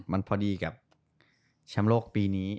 มันพอดีกับแชมป์โลกปีนี้